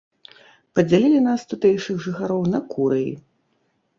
Падзялілі нас, тутэйшых жыхароў, на курыі.